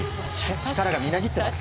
力がみなぎっています。